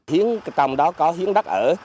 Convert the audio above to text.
hiến tầm đó có hiến đất ở